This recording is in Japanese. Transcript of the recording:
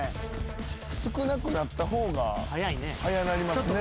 少なくなった方が速なりますね。